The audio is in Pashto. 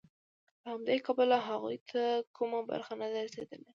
له همدې کبله هغوی ته کومه برخه نه ده رسېدلې